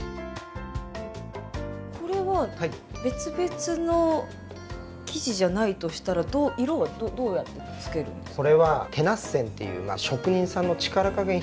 これは別々の生地じゃないとしたら色はどうやってつけるんですか？